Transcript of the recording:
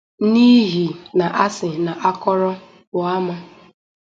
N'ihi na a sị na a kọrọ pụọ ama